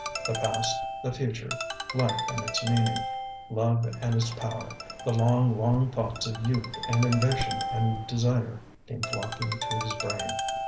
The past, the future, life and its meaning, love and its power, the long, long thoughts of youth and ambition and desire came flocking to his brain.